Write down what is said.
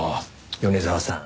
米沢さん